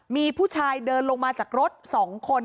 มีผู้ชายเดินลงมาจากรถ๒คน